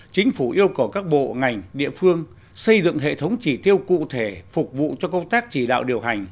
chính phủ yêu cầu các bộ ngành địa phương xây dựng hệ thống chỉ tiêu cụ thể phục vụ cho công tác chỉ đạo điều hành